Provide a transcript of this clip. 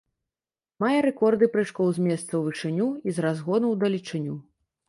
Мае рэкорды прыжкоў з месца ў вышыню і з разгону ў далечыню.